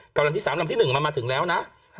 กับลำที่สามลำที่หนึ่งมันมาถึงแล้วนะ